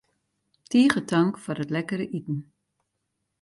Tige tank foar it lekkere iten.